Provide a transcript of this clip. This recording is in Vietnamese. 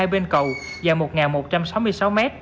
hai bên cầu dài một một trăm sáu mươi sáu m